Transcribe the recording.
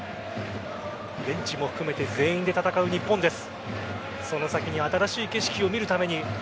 ベンチも含めて全員で戦う日本です。